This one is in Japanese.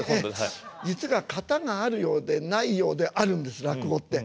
実は型があるようでないようであるんです落語って。